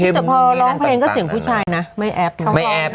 แต่พอร้องเพลงก็เสียงผู้ชายนะไม่แอปค่ะ